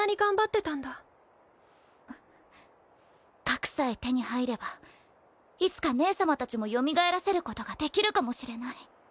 核さえ手に入ればいつか姉様たちもよみがえらせることができるかもしれない。